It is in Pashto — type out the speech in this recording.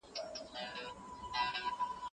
انسان خپل تېر بدلولی نه شي.